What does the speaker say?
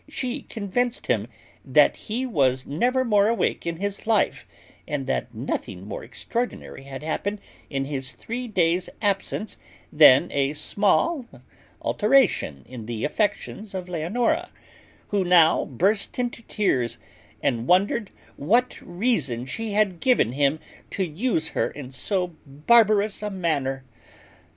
She convinced him that he was never more awake in his life, and that nothing more extraordinary had happened in his three days' absence than a small alteration in the affections of Leonora; who now burst into tears, and wondered what reason she had given him to use her in so barbarous a manner.